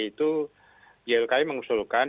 itu ylki mengusulkan